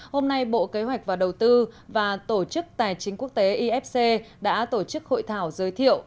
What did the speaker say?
hôm nay bộ kế hoạch và đầu tư và tổ chức tài chính quốc tế ifc đã tổ chức hội thảo giới thiệu